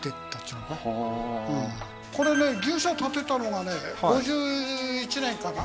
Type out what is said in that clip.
これね牛舎建てたのがね５１年かな？